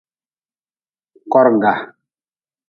Korga.